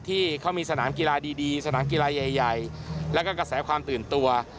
ที่เขามีสนามกีฬาดีสนามกีฬาใหญ่แล้วก็กระแสความตื่นตัว